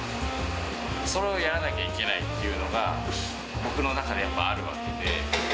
それをやらなきゃいけないっていうのが、僕の中でやっぱりあるわけで。